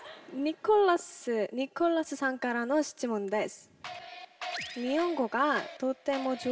ニコラスさんからの質問です。